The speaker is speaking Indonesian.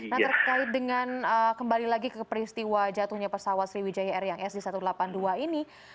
nah terkait dengan kembali lagi ke peristiwa jatuhnya pesawat sriwijaya ryang sd satu ratus delapan puluh dua ini